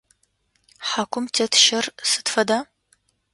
Хьакум тет щэр сыд фэда?